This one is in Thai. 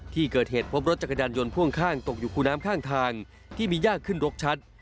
ที่เกิดเหตุพบรถจักรยานยนต์พ่วงข้างตกอยู่คูน้ำข้างทางที่มียากขึ้นรกชัด